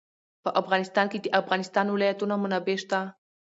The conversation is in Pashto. په افغانستان کې د د افغانستان ولايتونه منابع شته.